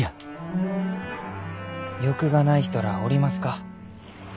欲がない人らあおりますか？